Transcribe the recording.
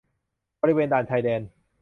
บริเวณด่านชายแดน